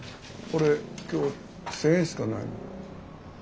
俺今日１，０００円しかない。